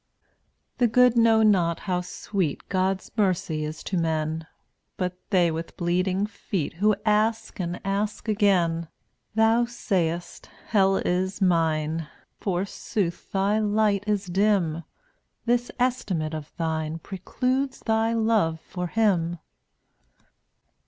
172 The good know not how sweet God's mercy is to men, But they with bleeding feet Who ask and ask again. Thou sayest, "Hell is mine;" Forsooth thy light is dim; This estimate of thine Precludes thy love for Him.